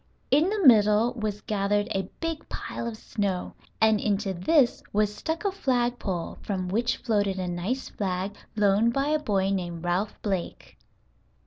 In the middle was gathered a big pile of snow, and into this was stuck a flag pole from which floated a nice flag loaned by a boy named Ralph Blake.